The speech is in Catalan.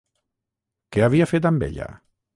Què havia fet amb ella?